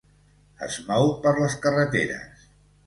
Es mou per les carreteres.